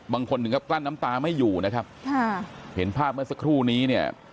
ถึงกับกลั้นน้ำตาไม่อยู่นะครับค่ะเห็นภาพเมื่อสักครู่นี้เนี่ย